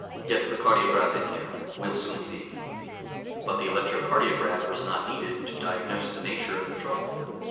"Get the cardiograph in here. We'll soon see." But the electrocardiograph was not needed to diagnose the nature of the trouble.